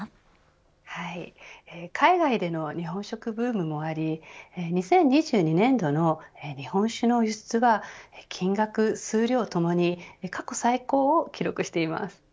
海外での日本食ブームもあり２０２２年度の日本酒の輸出は金額、数量ともに過去最高を記録しています。